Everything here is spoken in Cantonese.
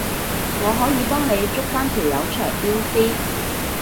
我可以幫你捉返條友出嚟鞭屍